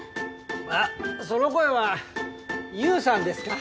あっその声はＹＯＵさんですか？